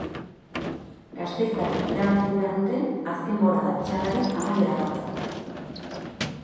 Gasteiztarrek irabazi behar dute azken bolada txarrari amaiera jartzeko.